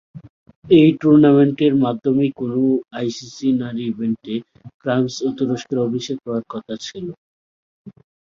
এ টুর্নামেন্টের মাধ্যমেই কোনও আইসিসি নারী ইভেন্টে ফ্রান্স ও তুরস্কের অভিষেক হওয়ার কথা ছিল।